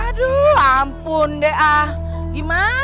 aduh ampun deh ah gimana